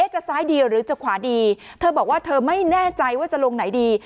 จะซ้ายดีหรือจะขวาดีเธอบอกว่าเธอไม่แน่ใจว่าจะลงไหนดี